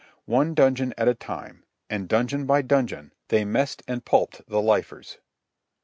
One dungeon at a time, and dungeon by dungeon, they messed and pulped the lifers.